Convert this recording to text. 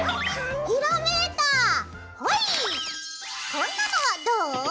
こんなのはどう？